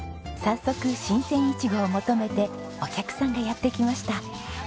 早速新鮮イチゴを求めてお客さんがやって来ました。